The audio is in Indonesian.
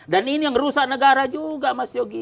dan ini yang merusak negara juga mas jogi